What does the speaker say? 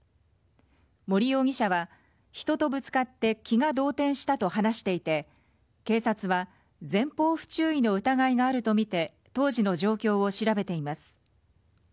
森容疑者は人とぶつかって気が動転したと話していて、警察は前方不注意の疑いがあると見て、当時の状況を調べています。